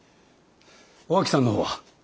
おあきさんの方は？